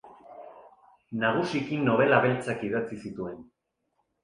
Nagusiki nobela beltzak idatzi zituen.